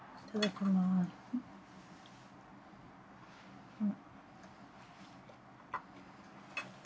うん。